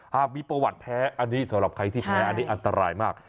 หากมีประวัติแพ้อันนี้สำหรับใครที่แพ้อันนี้อันตรายมาก